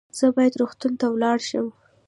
زه باید روغتون ته ولاړ شم